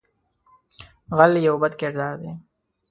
غل یو بد کردار دی